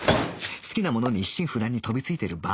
好きなものに一心不乱に飛びついている場合ではない